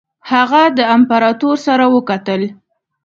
هغه د امپراطور سره وکتل.